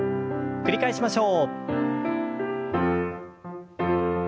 繰り返しましょう。